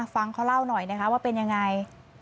ฟังเขาเล่าหน่อยนะคะว่าเป็นยังไง